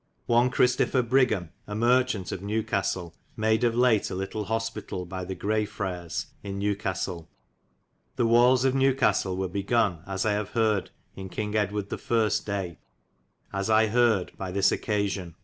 One Christopher Brigham, a marchant of Newcastelle, made of late a litle hospital by the Gray Freres in New castelle. The waulles of Newcastelle were begon, as I have harde, in King Edwarde the firste day, as I harde, by this occa sion.